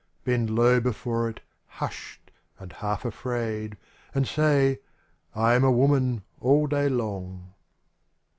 Bend low before it, hushed and half afraid. And say ''I am a woman'' all day long.